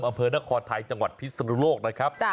อำเภอนครไทยจังหวัดพิศนุโลกนะครับ